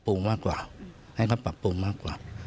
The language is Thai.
ก็พยายามจะให้เขาปรับปรุงมากกว่า